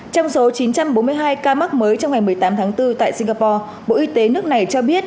trong số chín trăm bốn mươi hai ca mắc mới trong ngày một mươi tám tháng bốn tại singapore bộ y tế nước này cho biết